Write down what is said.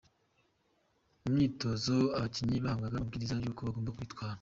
Mu myitozo abakinnyi bahabwaga amabwiriza y'uko bagomba kwitwara.